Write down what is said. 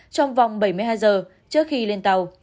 trong vòng bảy mươi hai giờ trước khi lên tàu